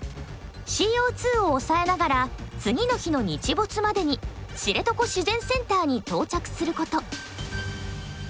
ＣＯを抑えながら次の日の日没までに知床自然センターに到着すること。